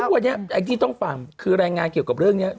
วันนี้แองจี้ต้องฟังคือรายงานเกี่ยวกับเรื่องนี้